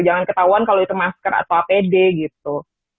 jangan ketahuan kalau itu masker atau apd gitu